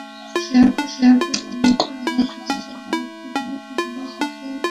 Sheriff Ali চরিত্রে Omar শরিফের অনবদ্য অভিনয় অচিরেই তাঁকে তারকাখ্যাতি এনে দেয়।